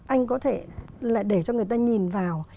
anh có thể lại để cho người ta nhìn vào